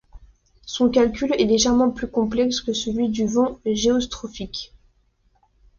Son calcul est légèrement plus complexe que celui du vent géostrophique.